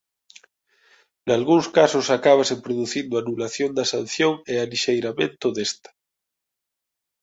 Nalgúns casos acábase producindo anulación da sanción e alixeiramento desta.